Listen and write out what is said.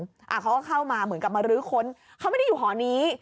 เขาก็เข้ามาเหมือนกับมารื้อค้นเขาไม่ได้อยู่หอนี้